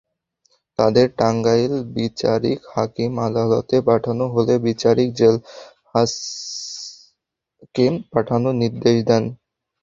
তাঁদের টাঙ্গাইল বিচারিক হাকিম আদালতে পাঠানো হলে বিচারক জেলহাজতে পাঠানোর নির্দেশ দেন।